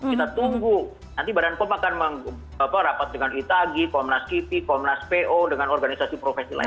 kita tunggu nanti badan pom akan rapat dengan itagi komnas kipi komnas po dengan organisasi profesi lain